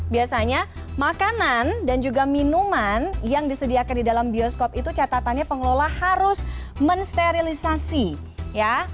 biasanya makanan dan juga minuman yang disediakan di dalam bioskop itu catatannya pengelola harus mensterilisasi ya